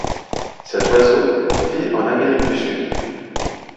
Cet oiseau vit en Amérique du Sud.